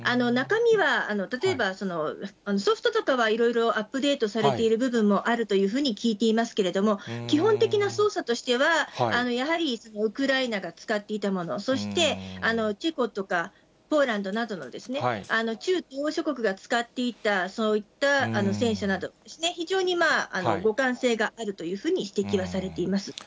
中身は、例えば、ソフトとかはいろいろアップデートされてる部分もあるというふうに聞いていますけれども、基本的な操作としては、やはりウクライナが使っていたもの、そしてチェコとか、ポーランドなどの中東欧諸国が使っていた、そういった戦車などですね、非常に互換性があるというふうに指摘はされています。